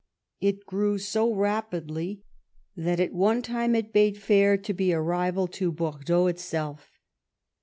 It grew so rapidly that at one time it bade fair to be a 102 EDWARD I chap. rival to Bordeaux itself.